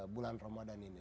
bulan ramadan ini